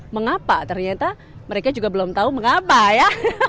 mengapa ternyata mereka juga belum tahu mengapa ya